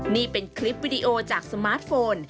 นี่เป็นคลิปวิดีโอจากสมาร์ทโฟน